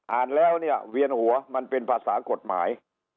อ่านแล้วเนี่ยเวียนหัวมันเป็นภาษากฎหมาย